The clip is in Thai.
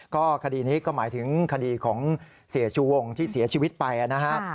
ก็คดีนี้ก็หมายถึงคดีของเสียชูวงที่เสียชีวิตไปนะฮะ